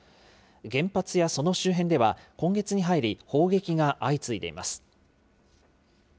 原発やその周辺では、今月に入り、砲撃が相次いでいます。